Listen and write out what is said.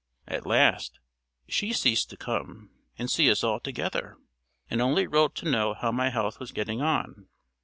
At last she ceased to come and see us altogether, and only wrote to know how my health was getting on.